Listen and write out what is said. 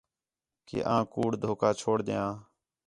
کہ آں کُوڑ، دھوکا چھوڑ دیان